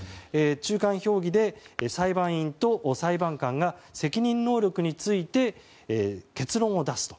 中間評議で裁判員と裁判官が責任能力について結論を出すと。